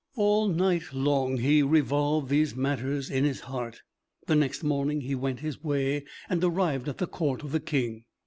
All night long he revolved these matters in his heart. The next morning he went his way, and arrived at the court of the King.